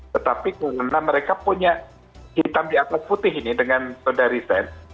tetapi karena mereka punya hitam di atas putih ini dengan soda riset